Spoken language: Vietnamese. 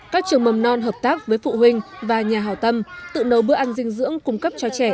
các trường mầm non hợp tác với phụ huynh và nhà hào tâm tự nấu bữa ăn dinh dưỡng cung cấp cho trẻ